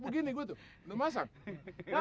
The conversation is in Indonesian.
gue tuh enak banget